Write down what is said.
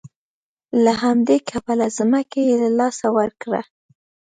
له همدې کبله ځمکه یې له لاسه ورکړه.